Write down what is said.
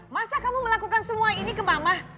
masa kamu melakukan semua ini ke mama